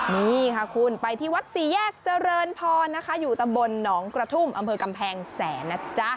นี่ค่ะคุณไปที่วัดสี่แยกเจริญพรนะคะอยู่ตำบลหนองกระทุ่มอำเภอกำแพงแสนนะจ๊ะ